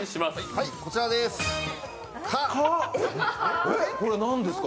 はい、こちらです「か」。